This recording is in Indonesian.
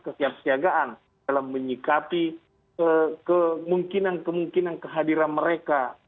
kesiapsiagaan dalam menyikapi kemungkinan kemungkinan kehadiran mereka